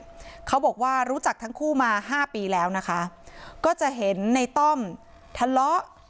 เขาบอกว่ารู้จักทั้งคู่มาห้าปีแล้วนะคะก็จะเห็นในต้อมทะเลาะ